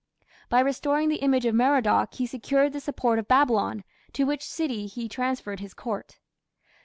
By restoring the image of Merodach he secured the support of Babylon, to which city he transferred his Court.